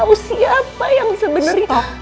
tahu siapa yang sebenarnya